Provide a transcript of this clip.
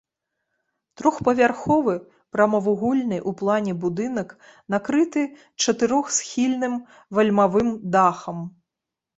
Трохпавярховы прамавугольны ў плане будынак накрыты чатырохсхільным вальмавым дахам.